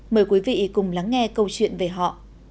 mời quý vị cùng lắng nghe câu chuyện về họ